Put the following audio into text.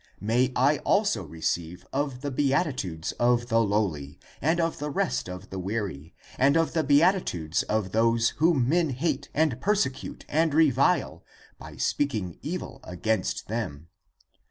May I also receive of the beatitudes of the lowly, and of the rest of the weary, and of the beatitudes of those whom men hate and persecute and revile by speaking evil against them.